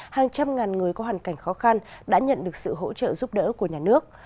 hàng trăm ngàn người có hoàn cảnh khó khăn đã nhận được sự hỗ trợ giúp đỡ của nhà nước